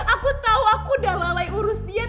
aku tau aku udah lalai urusanmu